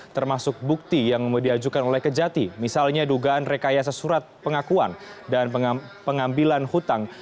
termasuk bukti yang diajukan oleh kejati misalnya dugaan rekayasa surat pengakuan dan pengambilan hutang